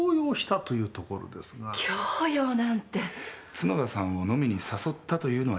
角田さんを飲みに誘ったというのは事実ですか？